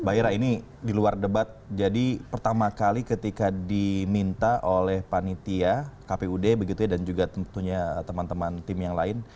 mbak ira ini di luar debat jadi pertama kali ketika diminta oleh panitia kpud begitu ya dan juga tentunya teman teman tim yang lain